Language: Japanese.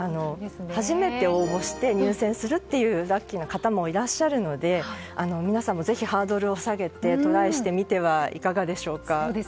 初めて応募して入選するというラッキーな方もいらっしゃるので皆さんもぜひハードルを下げてトライしてみてはいかがでしょうか。